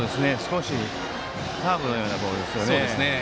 カーブのようなボールでしたね。